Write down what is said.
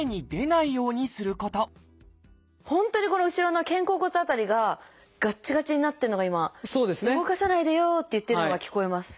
本当にこの後ろの肩甲骨辺りががっちがちになってるのが今「動かさないでよ」って言ってるのが聞こえます。